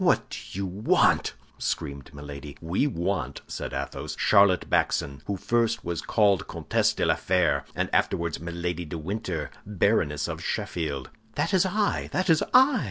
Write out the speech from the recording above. "What do you want?" screamed Milady. "We want," said Athos, "Charlotte Backson, who first was called Comtesse de la Fère, and afterwards Milady de Winter, Baroness of Sheffield." "That is I! that is I!"